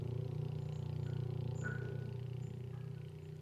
aa nairobi westlands idd mubarak